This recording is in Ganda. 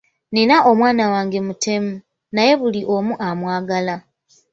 Nnina omwana wange mutemu, naye buli omu amwagala.